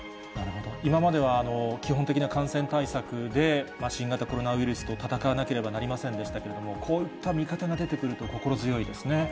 今までは基本的な感染対策で、新型コロナウイルスと闘わなければなりませんでしたけれども、こういった味方が出てくると、心強いですね。